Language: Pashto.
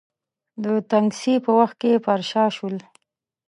د تنګسې په وخت کې پر شا شول.